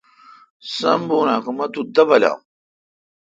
سم بون اں کہ مہ تو دبلام